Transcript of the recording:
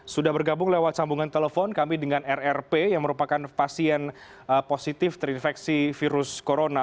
sudah bergabung lewat sambungan telepon kami dengan rrp yang merupakan pasien positif terinfeksi virus corona